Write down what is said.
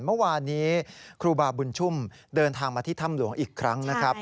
เมื่อวานนี้ครูบาบุญชุ่มเดินทางมาที่ถ้ำหลวงอีกครั้งนะครับ